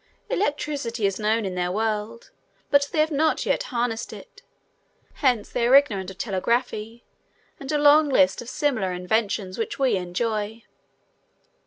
Electricity is known in their world, but they have not yet harnessed it; hence they are ignorant of telegraphy and a long list of similar inventions which we enjoy.